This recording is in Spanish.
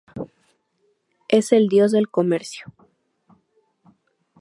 Es el dios del comercio.